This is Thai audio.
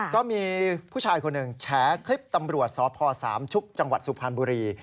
ก็มีผู้ชายคนหนึ่งแฉคลิปตำรวจสพสามชุกจังหวัดสุพรรณบุรี